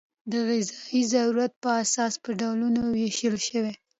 د غذایي ضرورت په اساس په ډولونو وېشل شوي.